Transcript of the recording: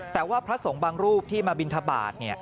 แต่ว่าพระสงฆ์บางรูปที่มาบินทบาท